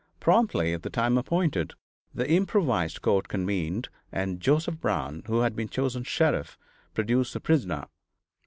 Promptly at the time appointed, the improvised court convened, and Joseph Brown, who had been chosen sheriff, produced the prisoner.